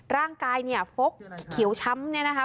ร่างกายเนี่ยฟกเขียวช้ำเนี่ยนะคะ